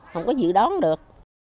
không có dự đoán được